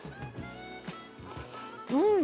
うん！